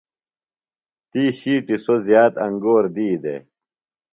تی ݜیٹیۡ سوۡ زِیات انگور دی دےۡ۔